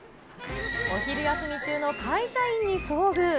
お昼休み中の会社員に遭遇。